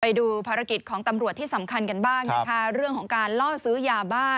ไปดูภารกิจของตำรวจที่สำคัญกันบ้างนะคะเรื่องของการล่อซื้อยาบ้า